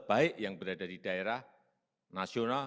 baik yang berada di daerah nasional